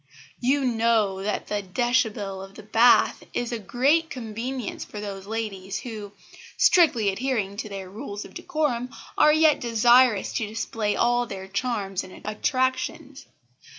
You know that the déshabille of the bath is a great convenience for those ladies who, strictly adhering to their rules of decorum, are yet desirous to display all their charms and attractions.